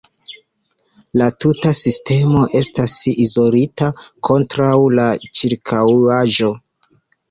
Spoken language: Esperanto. La tuta sistemo estas izolita kontraŭ la ĉirkaŭaĵo.